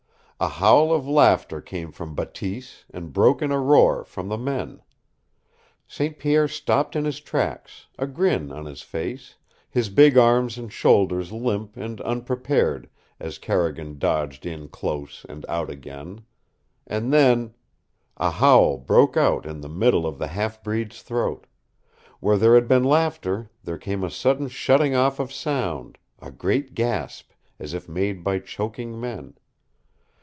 A howl of laughter came from Bateese and broke in a roar from the men. St. Pierre stopped in his tracks, a grin on his face, his big arms and shoulders limp and unprepared as Carrigan dodged in close and out again. And then A howl broke in the middle of the half breed's throat. Where there had been laughter, there came a sudden shutting off of sound, a great gasp, as if made by choking men.